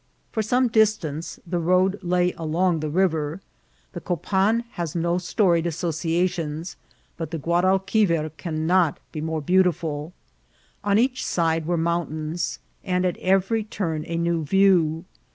For tome distance the road lay along the river.. The Copan has no storied associations, but the Grnadalquiv* er cannot be more beautifiiL On each side were mount ains, and at every turn a new view.